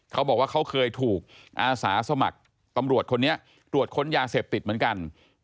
เขาบอกว่าเขาเคยถูกอาสาสมัครตำรวจคนนี้ตรวจค้นยาเสพติดเหมือนกัน